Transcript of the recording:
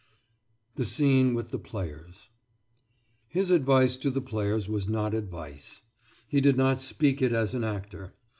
THE SCENE WITH THE PLAYERS His advice to the players was not advice. He did not speak it as an actor.